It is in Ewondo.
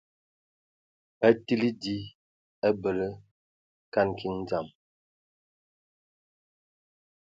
Atili dzi a bələ kan kiŋ dzam.